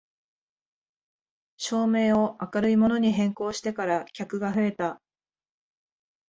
照明を明るいものに変更してから客が増えた